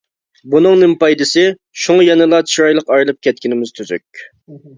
بۇنىڭ نېمە پايدىسى؟ شۇڭا يەنىلا چىرايلىق ئايرىلىپ كەتكىنىمىز تۈزۈك!